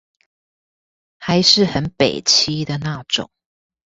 還是很北七的那種